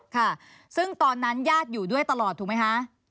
ค่ะซึ่งตอนนั้นญาติอยู่ด้วยตลอดถูกไหมคะ